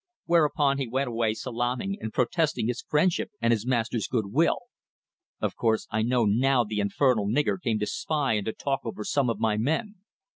Whereupon he went away salaaming, and protesting his friendship and his master's goodwill. Of course I know now the infernal nigger came to spy and to talk over some of my men.